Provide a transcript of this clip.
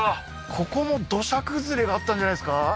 ここも土砂崩れがあったんじゃないですか？